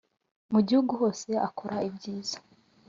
mu gihugu hose akora ibyiza